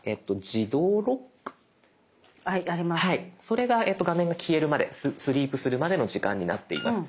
それが画面が消えるまでスリープするまでの時間になっています。